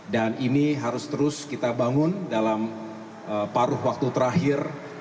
dan ini harus terus kita bangun dalam paruh waktu terakhir